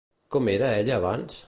Com era ella abans?